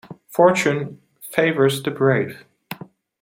Fortune favours the brave.